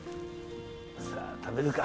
さあ食べるか。